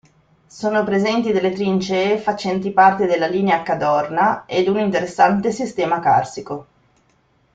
Sono presenti delle trincee facenti parte della Linea Cadorna ed un interessante sistema carsico.